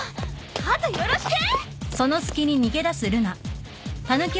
あとよろしく！